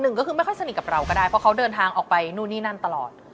ก็คือไม่ค่อยสนิทกับเราก็ได้เพราะเขาเดินทางออกไปนู่นนี่นั่นตลอด